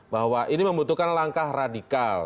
bahwa ini membutuhkan langkah radikal